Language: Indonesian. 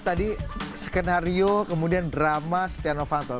jadi tadi skenario kemudian drama stiano fanto